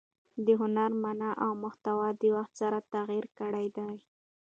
د هنر مانا او محتوا د وخت سره تغیر کړی دئ.